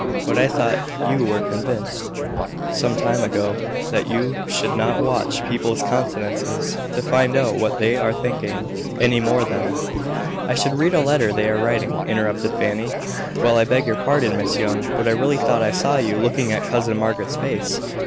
But I thought you were convinced, some time ago, that you should not watch people's countenances, to find out what they are thinking, any more than " "I should read a letter they are writing," interrupted Fanny. "Well, I beg your pardon, Miss Young; but I really thought I saw you looking at cousin Margaret's face.